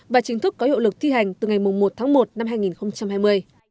và chính thức có hiệu lực thi hành từ ngày một tháng một năm hai nghìn hai mươi